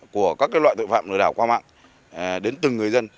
của các loại tội phạm lừa đảo qua mạng đến từng người dân